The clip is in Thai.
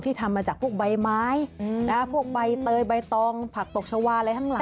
ทำมาจากพวกใบไม้พวกใบเตยใบตองผักตบชาวาอะไรทั้งหลาย